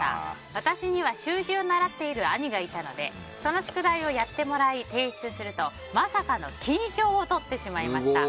私には習字を習っている兄がいたのでその宿題をやってもらい提出するとまさかの金賞をとってしまいました。